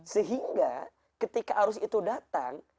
sehingga ketika arus itu datang